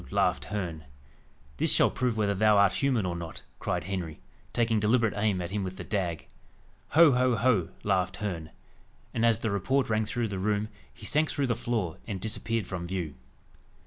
laughed Herne. "This shall prove whether thou art human or not," cried Henry, taking deliberate aim at him with the dag. "Ho! ho! ho!" laughed Herne. And as the report rang through the room, he sank through the floor, and disappeared from view.